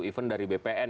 even dari bpn